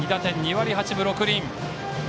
２割８分６厘。